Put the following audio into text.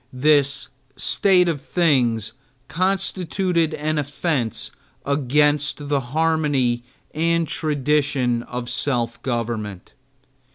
This state of things constituted an offense against the harmony and traditions of self government.